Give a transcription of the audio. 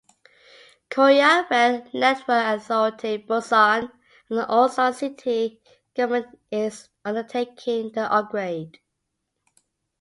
Korea Rail Network Authority, Busan, and Ulsan city government is undertaking the upgrade.